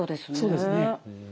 そうですね。